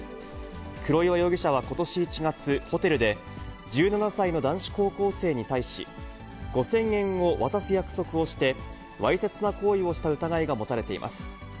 黒岩容疑者はことし１月、ホテルで、１７歳の男子高校生に対し、５０００円を渡す約束をして、わいせつな行為をした疑いが持たれています。